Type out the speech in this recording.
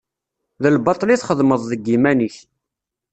D lbaṭel i txedmeḍ deg yiman-ik.